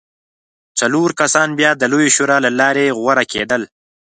څلور کسان بیا د لویې شورا له لارې غوره کېدل